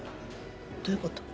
どういうこと？